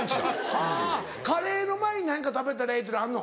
はぁカレーの前に何か食べたらええっていうのあんの？